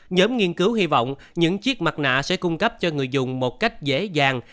nhóm nghiên cứu hy vọng những chiếc mặt nạ sẽ cung cấp cho người dùng một cách dễ dàng